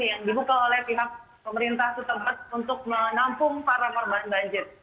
yang dibuka oleh pihak pemerintah setempat untuk menampung para korban banjir